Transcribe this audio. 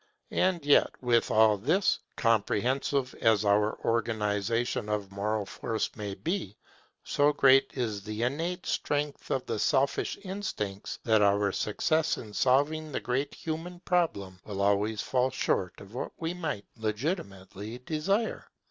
And yet, with all this, comprehensive as our organization of moral force may be, so great is the innate strength of the selfish instincts, that our success in solving the great human problem will always fall short of what we might legitimately desire.